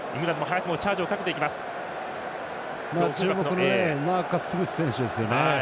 注目はマーカス・スミス選手ですね。